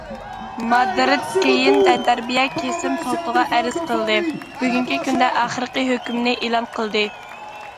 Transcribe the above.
مادرىد كېيىن تەنتەربىيە كېسىم سوتىغا ئەرز قىلدى، بۈگۈنكى كۈندە ئاخىرقى ھۆكۈمنى ئېلان قىلدى.